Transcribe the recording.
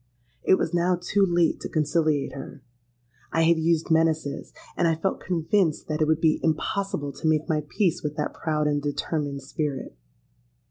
It was now too late to conciliate her: I had used menaces; and I felt convinced that it would be impossible to make my peace with that proud and determined spirit.